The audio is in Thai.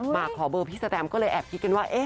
มาขอเบอร์พี่สแตมก็เลยแอบคิดกันว่า